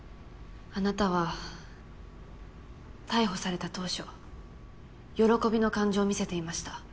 あなたは逮捕された当初「喜び」の感情を見せていました。